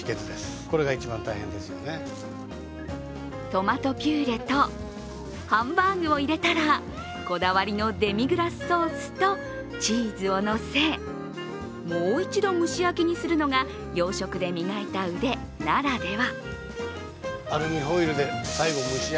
トマトピューレとハンバーグを入れたら、こだわりのデミグラスソースとチーズをのせ、もう一度蒸し焼きにするのが洋食で磨いた腕ならでは。